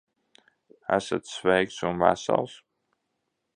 Esat sveiks un vesels?